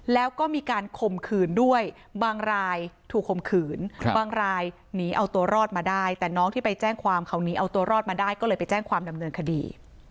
แล้วก็มีการข่มขืนด้วยบางรายถูกข่มขืนบางรายหนีเอาตัวรอดมาได้แต่น้องที่ไปแจ้งความเขาหนีเอาตัวรอดมาได้ก็เลยไปแจ้งความดำเนินคดี